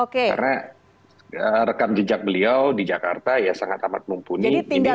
karena rekam jejak beliau di jakarta ya sangat amat mumpuni